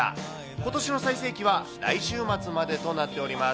ことしの最盛期は来週末までとなっております。